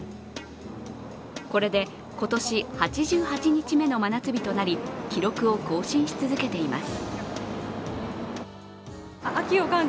これで今年８８日目の真夏日となり記録を更新し続けています。